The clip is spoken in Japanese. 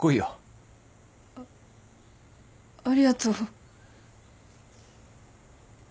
あありがとう。